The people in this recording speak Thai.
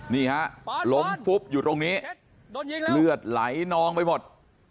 นี่ฮะล้มฟุบอยู่ตรงนี้เลือดไหลนองไปหมด